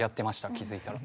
気付いたら。